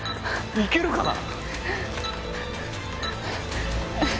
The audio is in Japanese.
行けるかな？